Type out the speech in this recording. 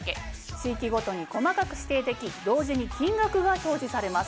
地域ごとに細かく指定でき同時に金額が表示されます。